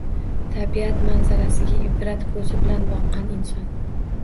Tabiat manzarasiga ibrat ko‘zi bilan boqqan inson